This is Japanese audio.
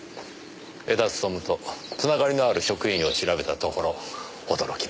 江田勉とつながりのある職員を調べたところ驚きました。